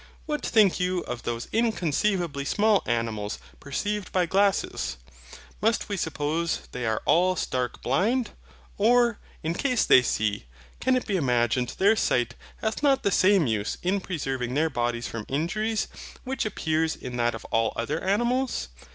What think you of those inconceivably small animals perceived by glasses? must we suppose they are all stark blind? Or, in case they see, can it be imagined their sight hath not the same use in preserving their bodies from injuries, which appears in that of all other animals?